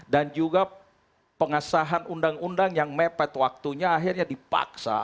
dan juga pengesahan undang undang yang mepet waktunya akhirnya dipaksa